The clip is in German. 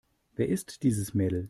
Wer ist dieses Mädel?